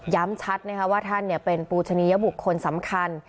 ย้ำชัดนะครับว่าท่านเนี่ยเป็นปูชนิยบุคคลสำคัญ